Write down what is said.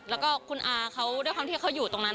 แล้วก็คุณอาเขาด้วยความที่เขาอยู่ตรงนั้น